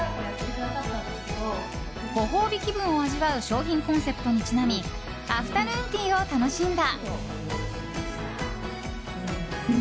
ご褒美気分を味わう商品コンセプトにちなみアフタヌーンティーを楽しんだ。